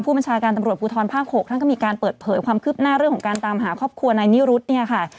บัญชาการตำรวจภูทรภาค๖ท่านก็มีการเปิดเผยความคืบหน้าเรื่องของการตามหาครอบครัวนายนิรุธเนี่ยค่ะ